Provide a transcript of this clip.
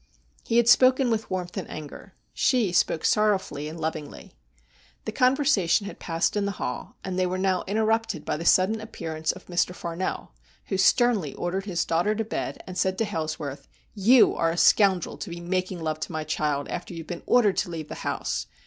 He had spoken with warmth and anger. She spoke sor rowfully and lovingly. The conversation had passed in the hall, and they were now interrupted by the sudden appearance of Mr. Farnell, who sternly ordered his daughter to bed, and said to Hailsworth :' You are a scoundrel, to be making love to my child after you have been ordered to leave the house.